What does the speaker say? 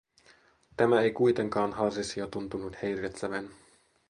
Tämä ei kuitenkaan Harishia tuntunut häiritsevän.